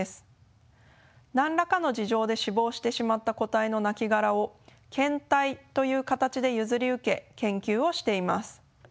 何らかの事情で死亡してしまった個体のなきがらを献体という形で譲り受け研究をしています。